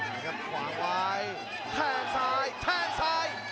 เอาละครับขวางวายแทงซ้ายแทงซ้าย